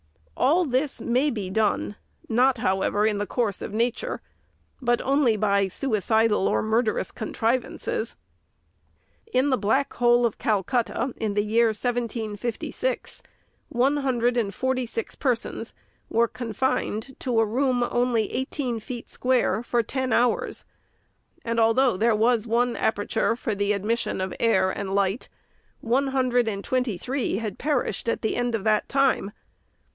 All this may be done ; not however in the course of nature, but only by suicidal or murderous con trivances. In the Black Hole of Calcutta, in the year 1756, one hundred and forty six persons were confined to a room only eighteen feet square for ten hours ; and although there was one aperture for the admission of air and light, one hundred and twenty three had perished at the end of that time.